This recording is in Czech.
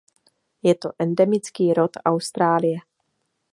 Je to endemický rod Austrálie.